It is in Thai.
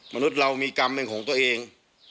มนุษย์เรามีกรรมเป็นของตัวเอง